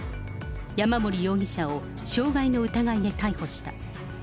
山森容疑者を傷害の疑いで逮捕した。